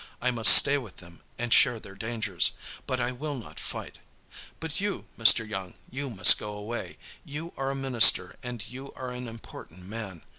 I must stay with them and share their dangers, but I will not fight. But you, Mr. Young, you must go away; you are a minister and you are an important man.